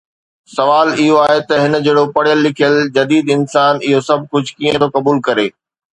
سوال اهو آهي ته هن جهڙو پڙهيل لکيل جديد انسان اهو سڀ ڪجهه ڪيئن ٿو قبول ڪري؟